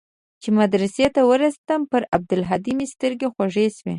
چې مدرسې ته ورسېدم پر عبدالهادي مې سترګې خوږې سوې.